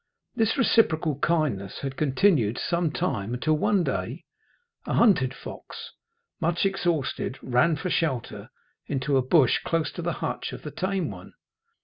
This reciprocal kindness had continued some time, until one day a hunted fox, much exhausted, ran for shelter into a bush close to the hutch of the tame one.